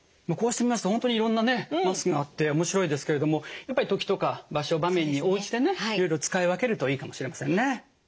こうしてみますと本当にいろんなねマスクがあって面白いですけれどもやっぱり時とか場所場面に応じてねいろいろ使い分けるといいかもしれませんね。